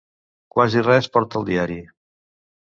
Quasi res porta el diari.